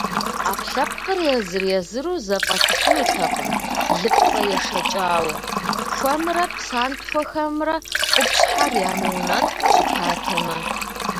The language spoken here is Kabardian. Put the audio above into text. Ӏэпкълъэпкъыр езыр-езыру зэфӏэтыфынутэкъым лыпцӏэ ешэкӏауэ, хуэмрэ псантхуэхэмрэ къупщхьэр ямыунэтӏу щытатэмэ.